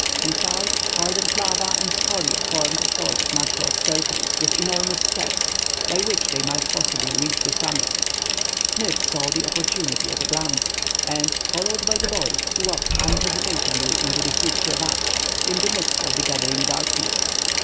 Inside, hardened lava and scoriæ formed a sort of natural staircase with enormous steps, by which they might possibly reach the summit. Smith saw the opportunity at a glance, and followed by the boy, he walked unhesitatingly into the huge crevasse, in the midst of the gathering darkness.